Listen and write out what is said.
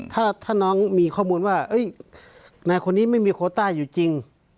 ถ้าน้องมีข้อมูลว่านายคนนี้ไม่มีโคต้าอยู่จริง